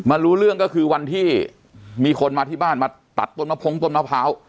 รู้เรื่องก็คือวันที่มีคนมาที่บ้านมาตัดต้นมะพงต้นมะพร้าว